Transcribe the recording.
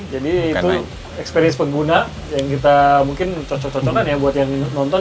jadi itu experience pengguna yang kita mungkin cocok cocokan ya buat yang nonton